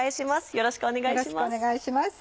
よろしくお願いします。